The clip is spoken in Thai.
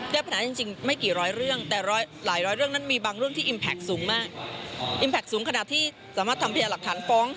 คิดเป็นประมาณเหรอครับพี่ว่ายังไม่ถึงสิบเปอร์เซ็นต์